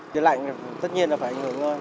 trời lạnh thì tất nhiên là phải ảnh hưởng thôi